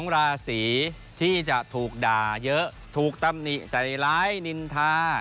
ราศีที่จะถูกด่าเยอะถูกตำหนิใส่ร้ายนินทา